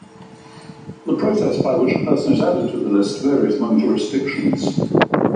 The process by which a person is added to the list varies among jurisdictions.